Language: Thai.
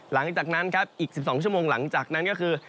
หลังจากนั้นครับอีก๑๒ชั่วโมงหลังจากนั้นก็คือ